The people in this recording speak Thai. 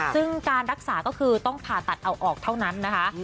ซึ่งการรักษาก็คือต้องผ่าตัดเอาออกเท่านั้นนะคะ